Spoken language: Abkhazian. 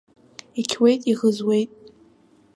Иқьуеит, иӷызуеит.